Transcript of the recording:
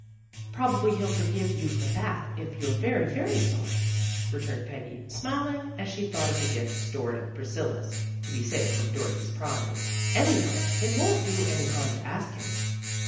" "Probably he'll forgive you for that, if you're very, very sorry," returned Peggy, smiling as she thought of the gift stored at Priscilla's, to be safe from Dorothy's prying. " Anyway, it won't do any harm to ask him."